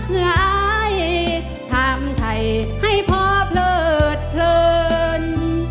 เผื่ออายทำไทยให้พอเพลิดเพลิน